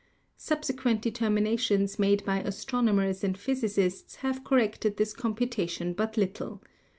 Subsequent de terminations made by astronomers and physicists have corrected this computation but little.